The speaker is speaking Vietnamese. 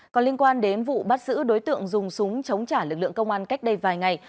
còn liên quan đến vụ bắt giữ đối tượng dùng súng chống trả lực lượng công an cách đây vài ngày